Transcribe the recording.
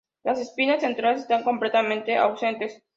Las espinas centrales están completamente ausentes.